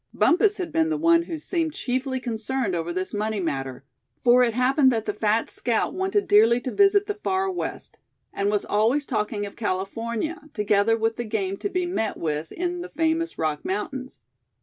Bumpus had been the one who seemed chiefly concerned over this money matter; for it happened that the fat scout wanted dearly to visit the Far West, and was always talking of California, together with the game to be met with in the famous Rock Mountains.